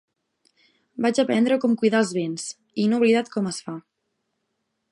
Vaig aprendre com cuidar els bens, i no he oblidat com es fa.